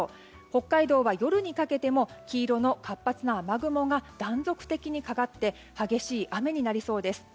北海道は夜にかけても黄色の活発な雨雲が断続的にかかって激しい雨になりそうです。